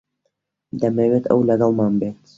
دەمەوێت ئەو لەگەڵمان بێت.